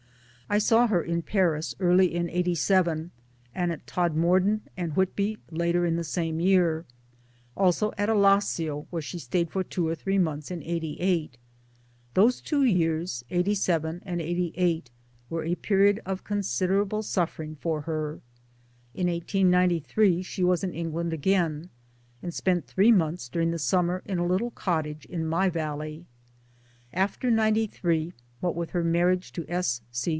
I saw her in Paris early in '87, and at Todmorden and Whitby later in the same year ; also at Alassio where she stayed for two or three months in '88. Those two years '87 and '88 were a period of considerable suffering for her. In 1893 she was in England again, and spent three months during the summer in a little cottage in my valley. After '93, what with her marriage to S.